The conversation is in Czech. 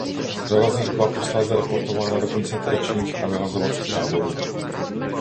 Řada z nich byla posléze deportována do koncentračních a vyhlazovacích táborů.